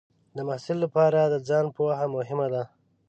د محصل لپاره د ځان پوهه مهمه ده.